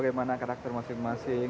berbicara tentang karakter masing masing